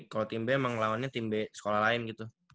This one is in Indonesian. kalau tim b emang lawannya tim b sekolah lain gitu